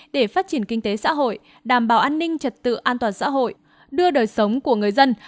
để phát triển kinh tế xã hội đảm bảo an ninh trật tự an toàn xã hội đưa đời sống của người dân